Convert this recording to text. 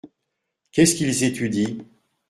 Qu’est-ce qu’ils étudient ?